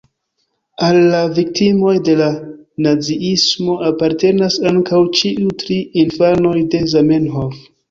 Al la viktimoj de la naziismo apartenas ankaŭ ĉiuj tri infanoj de Zamenhof.